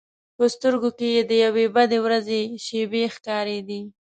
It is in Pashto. په سترګو کې یې د یوې بدې ورځې شېبې ښکارېدې.